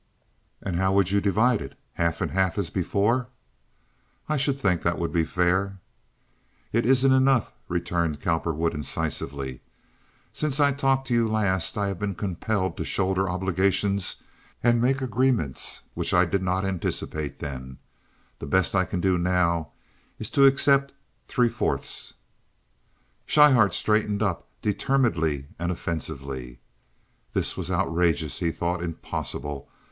"And how would you divide it? Half and half, as before?" "I should think that would be fair." "It isn't enough," returned Cowperwood, incisively. "Since I talked to you last I have been compelled to shoulder obligations and make agreements which I did not anticipate then. The best I can do now is to accept three fourths." Schryhart straightened up determinedly and offensively. This was outrageous, he thought, impossible!